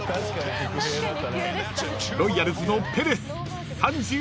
［ロイヤルズの］